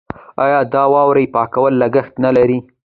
آیا د واورې پاکول لګښت نلري؟